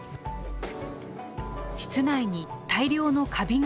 室内に大量のカビが発生。